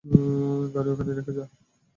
গাড়ি ওখানেই রেখে যা।